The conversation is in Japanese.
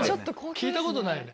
聞いたことないよね。